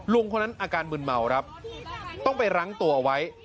ลุงคนนั้นอาการมึนเมาต้องไปรังตัวไว้